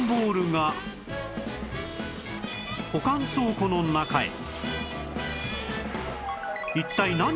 保管倉庫の中へ